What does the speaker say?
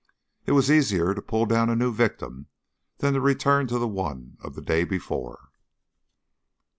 It was easier to pull down a new victim than to return to the one of the day before.